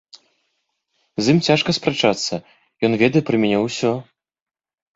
З ім цяжка спрачацца, ён ведае пра мяне ўсё.